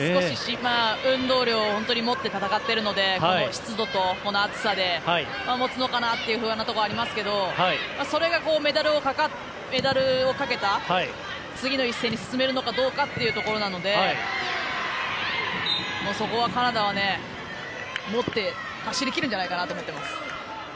運動量を持って戦っているのでこの湿度と、この暑さで持つのかなと不安なところありますがそれがメダルをかけた次の一戦に進めるのかどうかというところなのでそこはカナダは持って走り切るんじゃないかなと思ってます。